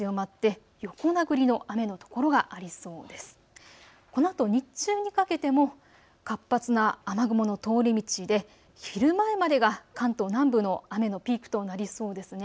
このあと日中にかけても活発な雨雲の通り道で昼前までが、関東南部の雨のピークとなりそうです。